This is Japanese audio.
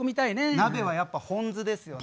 鍋はやっぱホンズですよね。